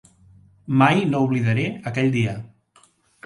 Mai no oblidaré aquell dia.